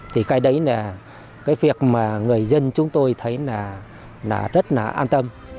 thì cái đấy là cái việc mà người dân chúng tôi thấy là rất là an tâm